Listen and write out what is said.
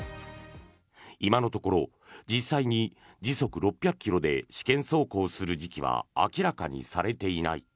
今のところ、実際に時速６００ｋｍで試験走行する時期は明らかにされていない。